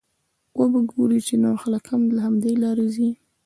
وبه ګورې چې نور خلک هم له همدې لارې ځي.